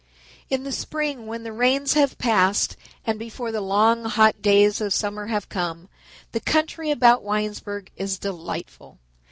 In the spring when the rains have passed and before the long hot days of summer have come, the country about Winesburg is delightful.